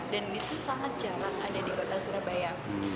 dan itu sangat jarang ada di kota surabaya